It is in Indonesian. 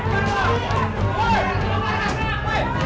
tepuk tangan tepuk tangan